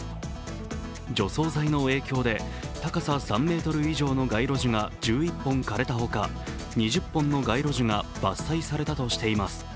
除草剤の影響で高さ３ｍ以上の街路樹が１１本枯れたほか、２０本の街路樹が伐採されたとしています。